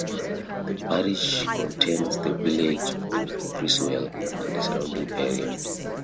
The parish contains the village of Creswell and the surrounding area.